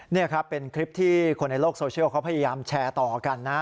นี่ครับเป็นคลิปที่คนในโลกโซเชียลเขาพยายามแชร์ต่อกันนะ